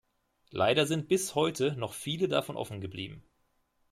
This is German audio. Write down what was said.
Leider sind bis heute noch viele davon offen geblieben.